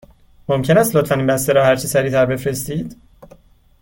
ممکن است لطفاً این بسته را هرچه سریع تر بفرستید؟